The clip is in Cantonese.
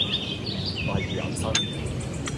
懷疑人生